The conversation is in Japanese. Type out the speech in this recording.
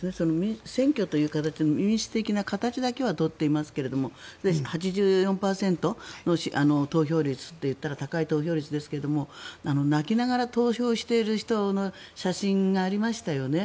選挙という形民主的な形だけは取っていますけれども８４％の投票率といったら高い投票率ですが泣きながら投票している人の写真がありましたよね。